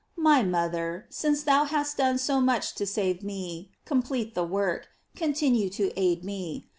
My mother, since thou hast done so much to save me, complete the work ; continue to aid me.